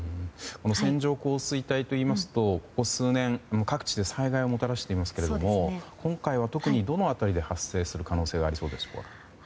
線状降水帯といいますとここ数年、各地で災害をもたらしていますけれども今回は特にどの辺りで発生する可能性がありそうですか。